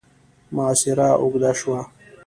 محاصره اوږده شوه.